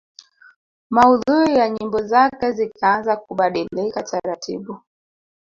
Maudhui ya nyimbo zake zikaanza kubadilika taratibu